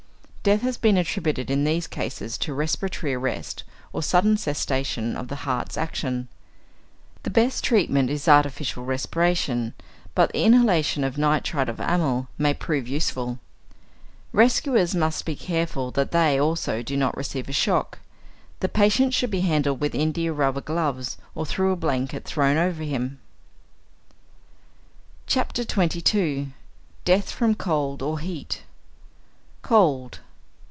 Death has been attributed in these cases to respiratory arrest or sudden cessation of the heart's action. The best treatment is artificial respiration, but the inhalation of nitrite of amyl may prove useful. Rescuers must be careful that they, also, do not receive a shock. The patient should be handled with india rubber gloves or through a blanket thrown over him. XXII. DEATH FROM COLD OR HEAT =Cold.